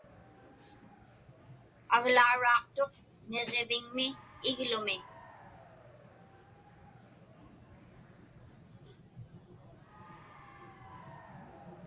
Aglauraaqtuq niġġiviŋmi iglumi.